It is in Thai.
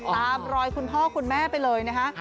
ตามรอยคุณพ่อคุณแม่ไปเลยนะคะ